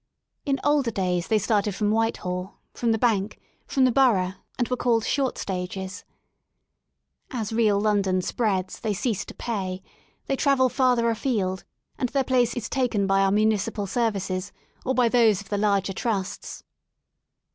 In older days they started from Whitehall, from the Bank, from the Borough, and were called Short Stages. As real London spreads they cease to pay; they travel farther afield, and their place is taken by our municipal services or by those of the larger trusts.